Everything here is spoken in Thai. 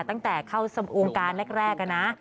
ตั้งแต่เข้าสมองค์การแรกนะ